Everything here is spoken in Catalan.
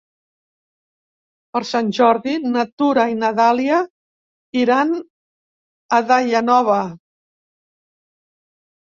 Per Sant Jordi na Tura i na Dàlia iran a Daia Nova.